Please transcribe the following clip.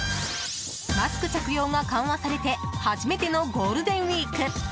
マスク着用が緩和されて初めてのゴールデンウイーク。